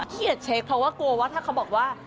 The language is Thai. เครียดเช็คเพราะว่ากลัวว่าถ้าเขาบอกว่า